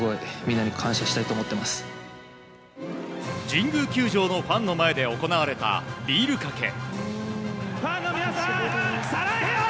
神宮球場のファンの前で行われたビールかけ。